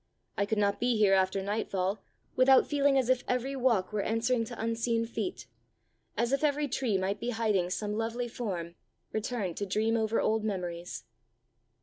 I could not be here after nightfall without feeling as if every walk were answering to unseen feet, as if every tree might be hiding some lovely form, returned to dream over old memories."